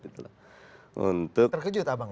terkejut abang ya